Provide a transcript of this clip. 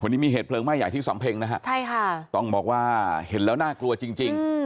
วันนี้มีเหตุเพลิงไหม้ใหญ่ที่สำเพ็งนะฮะใช่ค่ะต้องบอกว่าเห็นแล้วน่ากลัวจริงจริง